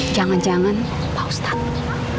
jangan jangan pak ustadz